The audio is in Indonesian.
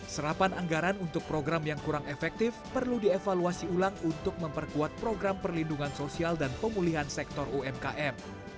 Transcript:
serapan anggaran untuk program yang kurang efektif perlu dievaluasi ulang untuk memperkuat program perlindungan sosial dan pemulihan sektor umkm